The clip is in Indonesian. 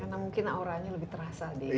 karena mungkin auranya lebih terasa di sini